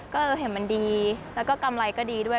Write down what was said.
ก็เห็นมันดีแล้วก็กำไรก็ดีด้วย